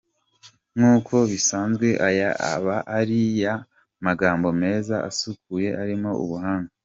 Nkuko bisanzwe aya aba ari ya magambo meza asukuye arimo ubuhanga.